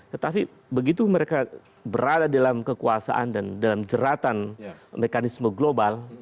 tetapi begitu mereka berada dalam kekuasaan dan dalam jeratan mekanisme global